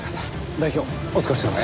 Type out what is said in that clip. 代表お疲れさまです。